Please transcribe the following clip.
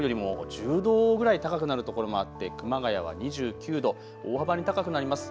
きょうよりも１０度ぐらい高くなるところもあって熊谷は２９度、大幅に高くなります。